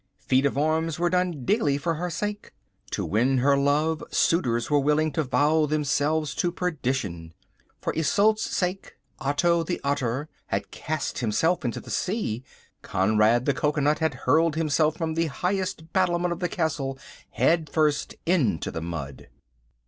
Feats of arms were done daily for her sake. To win her love suitors were willing to vow themselves to perdition. For Isolde's sake, Otto the Otter had cast himself into the sea. Conrad the Cocoanut had hurled himself from the highest battlement of the castle head first into the mud.